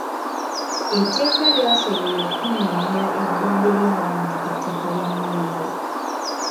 Etteeka lyasobola okunnyonnyola eddembe ly'abantu ku ttaka lya mmayiro.